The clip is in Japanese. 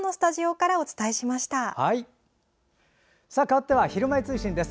かわっては「ひるまえ通信」です。